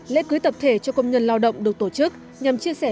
lễ cưới tập thể cho công nhân lao động được tổ chức nhằm chia sẻ